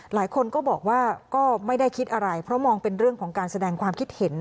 หลายคนก็บอกว่าก็ไม่ได้คิดอะไรเพราะมองเป็นเรื่องของการแสดงความคิดเห็น